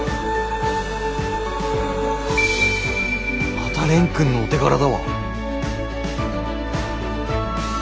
また蓮くんのお手柄だわ。